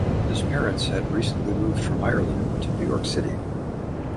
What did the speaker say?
His parents had recently moved from Ireland to New York City.